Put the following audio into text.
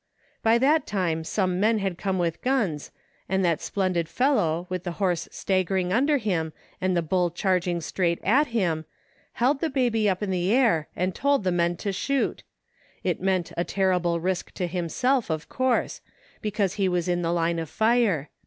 " By that time some men had come with guns, and that splendid fellow, with the horse staggering under him and the bull charging straight at him, held the baby up in the air and told the men to shoot It meant a terrible risk to himself, of course, because he was in the line of fire.